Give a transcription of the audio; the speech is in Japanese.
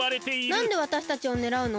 なんでわたしたちをねらうの？